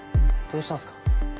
どうしたんすか？